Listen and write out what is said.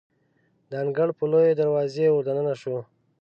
د انګړ په لویې دروازې وردننه شوو.